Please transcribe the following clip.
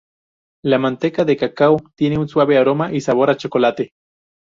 La manteca de cacao tiene un suave aroma y sabor a chocolate.